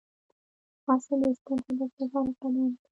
ځغاسته د ستر هدف لپاره قدم دی